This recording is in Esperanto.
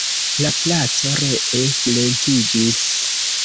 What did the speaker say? La placo ree silentiĝis.